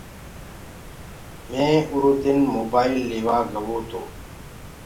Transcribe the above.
مينٚ اُرو دن موبآئيل ليوآ گو تو۔